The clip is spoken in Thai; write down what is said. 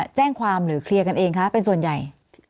จะแจ้งความถ้าคุณหนุ่มหรือเคลียร์เองเป็นส่วนใหญ่